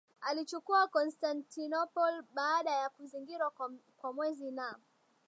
alichukua Constantinople baada ya kuzingirwa kwa mwezi na